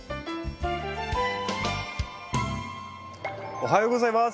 おはようございます！